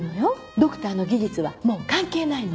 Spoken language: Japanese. ドクターの技術はもう関係ないの。